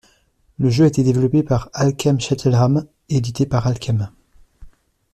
Le jeu a été développé par Acclaim Cheltenham et édité par Acclaim.